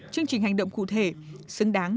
chương trình hành động cụ thể xứng đáng